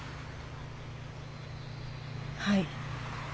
はい。